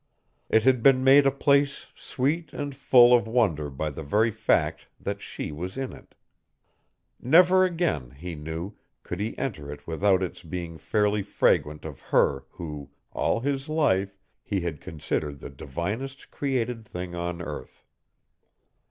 It had been made a place sweet and full of wonder by the very fact that she was in it. Never again, he knew, could he enter it without its being faintly fragrant of her who, all his life, he had considered the divinest created thing on earth.